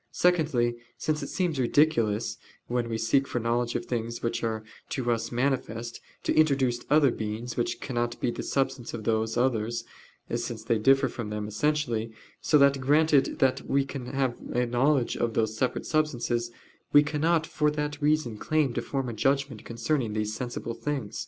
Secondly, because it seems ridiculous, when we seek for knowledge of things which are to us manifest, to introduce other beings, which cannot be the substance of those others, since they differ from them essentially: so that granted that we have a knowledge of those separate substances, we cannot for that reason claim to form a judgment concerning these sensible things.